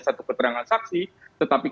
satu keterangan saksi tetapi